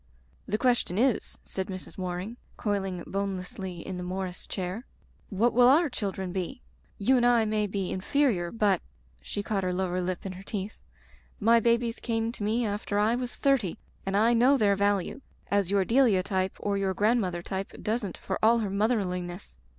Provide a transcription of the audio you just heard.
"The question is/* said Mrs. Waring, coil ing bonelessly in the Morris chair, "what will our children be ? You and I may be in ferior, but,'* she caught her lower lip in her teeth, "my babies came to me after I was thirty, and I know their value, as your De lia type or your grandmother type doesn't for all her motherliness.